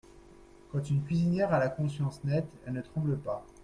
Quand une cuisinière a la conscience nette, elle ne tremble pas !…